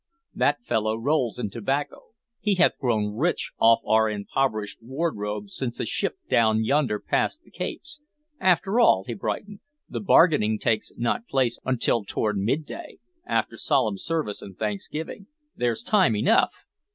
That fellow rolls in tobacco; he hath grown rich off our impoverished wardrobes since the ship down yonder passed the capes. After all," he brightened, "the bargaining takes not place until toward midday, after solemn service and thanksgiving. There's time enough!"